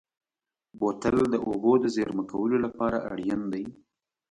بوتل د اوبو د زېرمه کولو لپاره اړین دی.